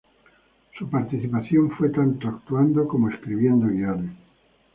Su participación fue tanto actuando, como escribiendo guiones.